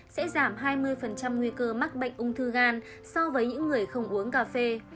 sẽ giảm hai mươi nguy cơ mắc bệnh ung thư gan so với những người không uống cà phê